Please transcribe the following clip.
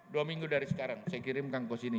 dua minggu dari sekarang saya kirimkan ke sini